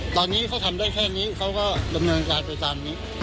ตอนนี้เขาทำได้แค่นี้เขาก็ดำเนินการไปตามนี้